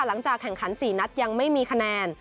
หลังจากแข่งขัน๔นัดยังไม่มีคะแนน